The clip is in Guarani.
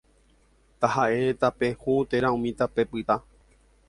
Tahaʼe tape hũ térã umi tape pytã.